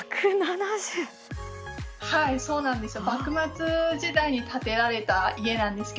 はいそうなんですよ。